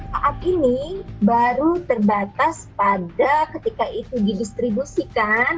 saat ini baru terbatas pada ketika itu didistribusikan